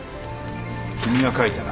君が書いたな。